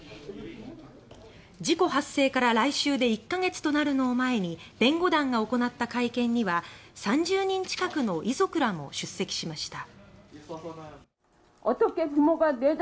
事故発生から来週で１か月となるのを前に弁護団が行った会見には３０人近くの遺族らも出席しました。